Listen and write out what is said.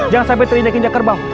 jangan sampai terindah kinjak kerbau